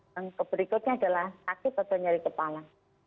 yang berikutnya adalah sakit atau nyari kepala